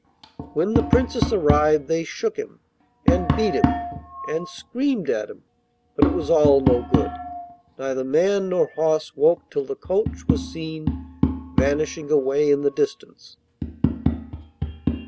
When the Princess arrived, they shook him, and beat him, and screamed at him, but it was all no good. Neither man nor horse woke till the coach was seen vanishing away in the distance.